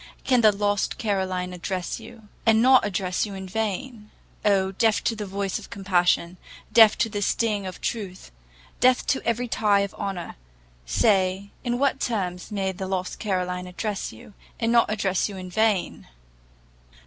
can the lost Caroline address you, and not address you in vain? Oh, deaf to the voice of compassion deaf to the sting of truth deaf to every tie of honour say, in what terms may the lost Caroline address you, and not address you in vain!